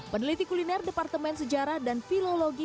peneliti kuliner departemen sejarah dan finologi